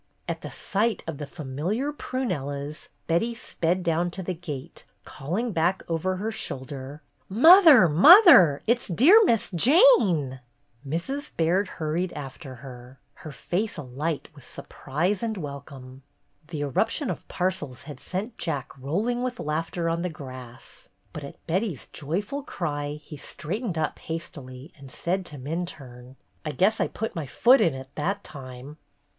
At the sight of the familiar prunellas Betty sped down to the gate, calling back over her shoulder : "Mother ! Mother ! It 's dear Miss Jane !" Mrs. Baird hurried after her, her face alight with surprise and welcome. The eruption of parcels had sent Jack roll ing with laughter on the grass, but at Betty's joyful cry he straightened up hastily and said to Minturne: "I guess I put my foot in it that time!"